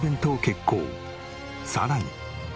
さらに。